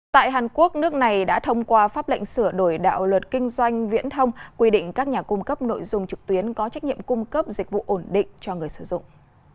tại hàn quốc nước này đã thông qua pháp lệnh sửa đổi đạo luật kinh doanh viễn thông quy định các nhà cung cấp nội dung trực tuyến có trách nhiệm cung cấp dịch vụ ổn định cho người sử dụng